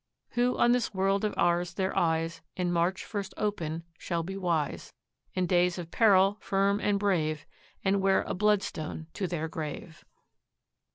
"Who on this world of ours their eyes In March first open shall be wise, In days of peril firm and brave And wear a bloodstone to their grave."